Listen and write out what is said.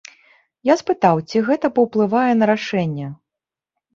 Я спытаў, ці гэта паўплывае на рашэнне?